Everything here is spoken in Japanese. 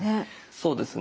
そうですね。